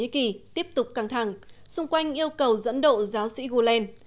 thổ nhĩ kỳ tiếp tục căng thẳng xung quanh yêu cầu dẫn độ giáo sĩ gueland